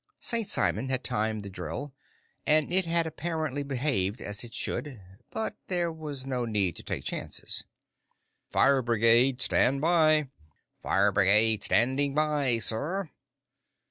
St. Simon had timed the drill, and it had apparently behaved as it should, but there was no need to take chances. "Fire brigade, stand by!" "Fire brigade standing by, sir!"